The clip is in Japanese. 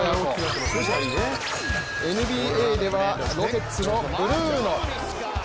ＮＢＡではロケッツのブルーノ。